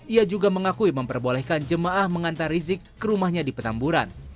ia juga mengakui memperbolehkan jemaah mengantar rizik ke rumahnya di petamburan